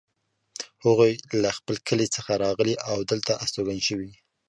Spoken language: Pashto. هغوی له خپل کلي څخه راغلي او دلته استوګن شوي